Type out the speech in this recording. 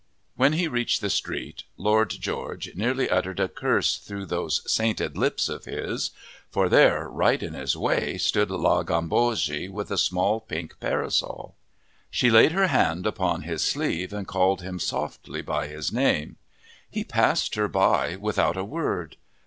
When he reached the street, Lord George nearly uttered a curse through those sainted lips of his. For there, right in his way, stood La Gambogi, with a small pink parasol. She laid her hand upon his sleeve and called him softly by his name. He passed her by without a word.